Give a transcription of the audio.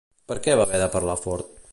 Per què va haver de parlar fort?